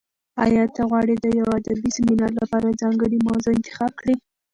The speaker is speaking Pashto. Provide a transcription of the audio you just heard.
ایا ته غواړې د یو ادبي سیمینار لپاره ځانګړې موضوع انتخاب کړې؟